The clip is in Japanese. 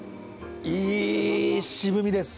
いい渋みです。